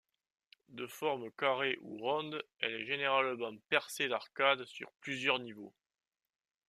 De forme carrée ou ronde, elle est généralement percée d'arcades sur plusieurs niveaux.